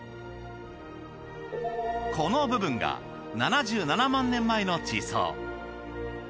この部分が７７万年前の地層。